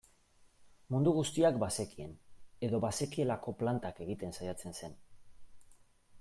Mundu guztiak bazekien edo bazekielako plantak egiten saiatzen zen.